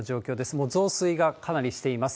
もう増水がかなりしています。